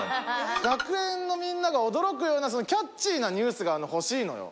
学園のみんなが驚くようなキャッチーなニュースがほしいのよ。